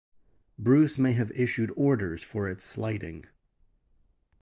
Bruce may have issued orders for its slighting.